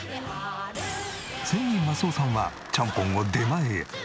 仙人益男さんはちゃんぽんを出前へ。